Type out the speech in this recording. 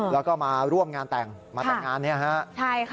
แล้วก็มาร่วมงานแต่งมาแต่งงานนี้